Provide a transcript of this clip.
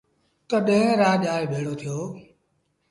تڏهيݩ رآڄ آئي ڀيڙو ٿيو۔